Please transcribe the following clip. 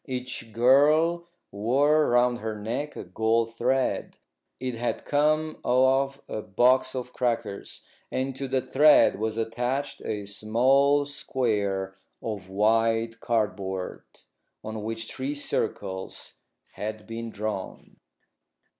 Each girl wore round her neck a gold thread it had come off a box of crackers and to the thread was attached a small square of white cardboard, on which three circles had been drawn.